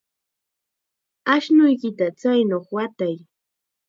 Ashnuykita kaychaw watay.